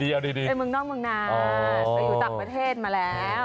เอาดีไปเมืองนอกเมืองนาไปอยู่ต่างประเทศมาแล้ว